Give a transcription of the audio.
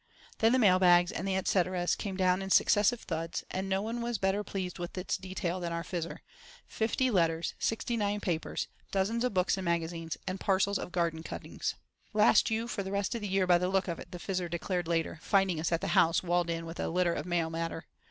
Then the mail bags and et cet eras came down in successive thuds, and no one was better pleased with its detail than our Fizzer: fifty letters, sixty nine papers, dozens of books and magazines, and parcels of garden cuttings. "Last you for the rest of the year by the look of it," the Fizzer declared later, finding us at the house walled in with a litter of mail matter.